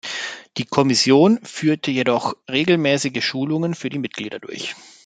Die Kommission führt jedoch regelmäßige Schulungen für die Mitglieder durch.